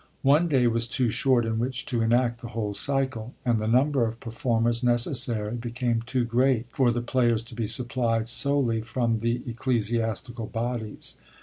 One day was too short in which to enact the whole cycle, and the number of performers necessary became too great for the players to be supplied solely from the ecclesiastical bodies.